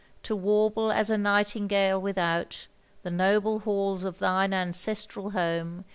To warble as a nightingale without The noble halls of thine ancestral home.